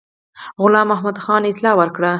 غلام محمدخان اطلاع ورکړه.